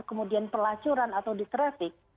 kemudian pelacuran atau di traffic